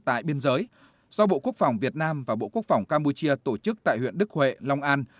tại biên giới do bộ quốc phòng việt nam và bộ quốc phòng campuchia tổ chức tại huyện đức huệ long an